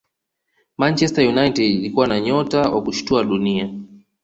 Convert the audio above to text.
manchester united ilikuwa na nyota wa kushtua dunia